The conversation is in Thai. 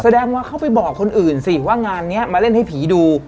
แสดงว่าเขาไปบอกคนอื่นสิว่างานนี้มาเล่นให้ผีดู